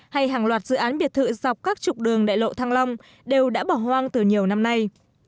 hay hàng loạt dự án biệt thự dọc các trục đường đại lộ thăng long đều đã bỏ hoang từ nhiều năm nay